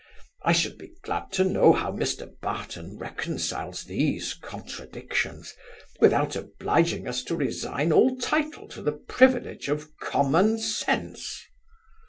I should be glad to know how Mr Barton reconciles these contradictions, without obliging us to resign all title to the privilege of common sense.